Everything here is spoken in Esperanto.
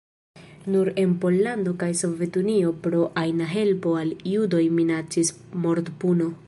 Nur en Pollando kaj Sovetunio pro ajna helpo al judoj minacis mortpuno.